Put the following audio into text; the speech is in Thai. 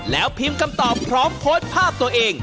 แล้วพิมพ์คำตอบพร้อมโพสต์ภาพตัวเอง